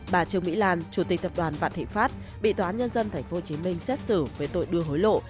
bà trương mỹ lan chủ tịch tập đoàn và thịnh pháp bị tòa án nhân dân tp hcm xét xử với tội đưa hối lộ